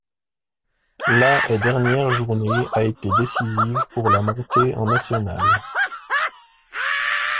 La et dernière journée a été décisive pour la montée en National.